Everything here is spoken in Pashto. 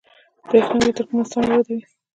بریښنا له ترکمنستان واردوي